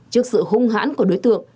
trước sự hung hãn của đối tượng